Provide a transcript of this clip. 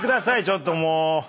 ちょっともーう。